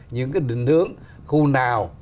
những cái định hướng khu nào